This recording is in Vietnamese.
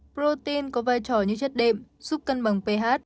protein có vai trò như chất đệm giúp cân bằng ph